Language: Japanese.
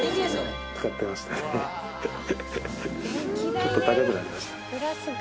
ちょっと高くなりました。